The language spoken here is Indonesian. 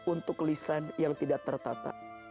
untuk lisan yang tidak tertata